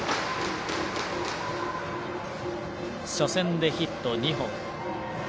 初戦でヒット２本。